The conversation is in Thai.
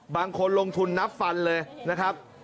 บางคนลงทุนนับฟันเลยนะครับ